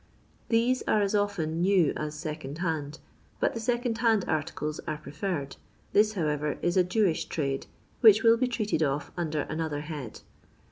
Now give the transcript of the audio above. These are as often new as second hand, but the second hand articles are preferred. This, however, is a Jewish trade which will be treated of under another head.